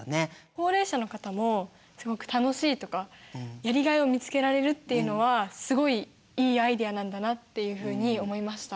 高齢者の方もすごく楽しいとかやりがいを見つけられるっていうのはすごいいいアイデアなんだなっていうふうに思いました。